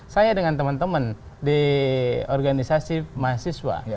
saya dengan teman teman di organisasi mahasiswa